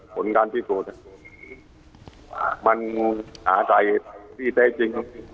ผลการที่พูดมันหาใส่พี่เต้นจริงป่ะ